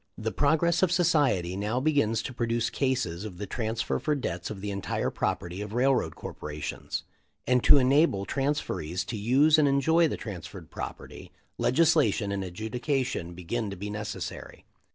"The progress of society now begins to produce cases of the transfer for debts of the entire property of railroad corporations; and to enable transferees to use and enjoy the transferred property legislation and adjudication begin to be necessary.